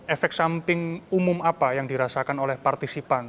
efek samping umum apa yang dirasakan oleh partisipan